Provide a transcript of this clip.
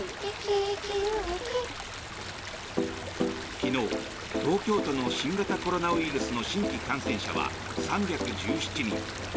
昨日、東京都の新型コロナウイルスの新規感染者は３１７人。